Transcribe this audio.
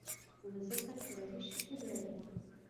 مځکه کروي شکل لري.